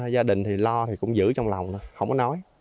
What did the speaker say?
gia đình thì lo thì cũng giữ trong lòng không có nói